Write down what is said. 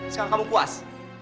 sekarang kamu kuas